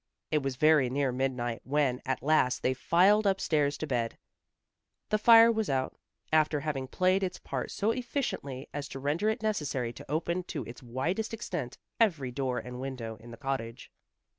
It was very near midnight when at last they filed up stairs to bed. The fire was out, after having played its part so efficiently as to render it necessary to open to its widest extent every door and window in the cottage.